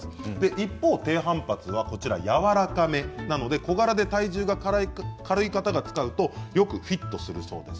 一方、低反発はやわらかめなので小柄で体重が軽い方が使うとよくフィットするそうです。